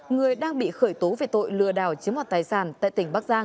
người đang bị khởi tố về tội lừa đảo chiếm hoạt tài sản tại tỉnh bắc giang